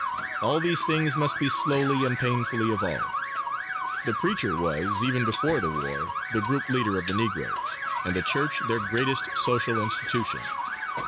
All these things must be slowly and painfully evolved. The preacher was, even before the war, the group leader of the Negroes, and the church their greatest social institution.